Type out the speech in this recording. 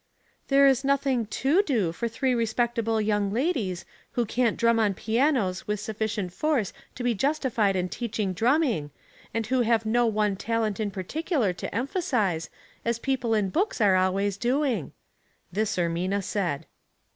" There is nothing to do for three respectable young ladies, who can't drum on pianos with sufficient force to be justified in teaching drum ming, and who have no one talent in particular to emphasize, as people in books are always doiniT." This Ermina said.